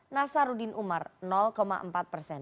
nasarudin umar empat persen